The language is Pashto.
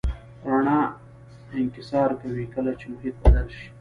رڼا انکسار کوي کله چې محیط بدل شي.